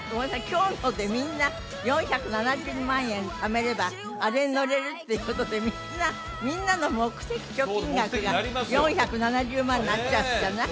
今日のでみんな４７０万円ためればあれに乗れるっていうことでみんなの目的貯金額が４７０万になっちゃうんじゃない？